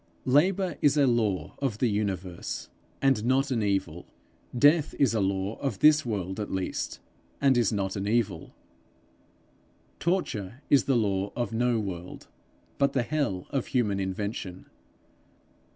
Labour is a law of the universe, and is not an evil. Death is a law of this world at least, and is not an evil. Torture is the law of no world but the hell of human invention.